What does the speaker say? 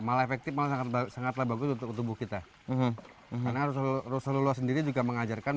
malah efektif malah sangatlah bagus untuk tubuh kita karena selalulah sendiri juga mengajarkan